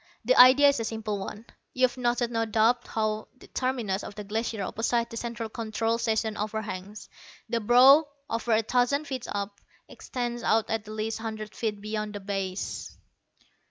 "The idea is a simple one. You've noted no doubt how the terminus of the Glacier opposite the Central Control Station overhangs. The brow, over a thousand feet up, extends out at least a hundred feet beyond the base."